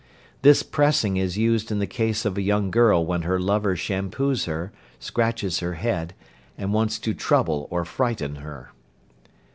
This pressing is used in the case of a young girl when her lover shampoos her, scratches her head, and wants to trouble or frighten her.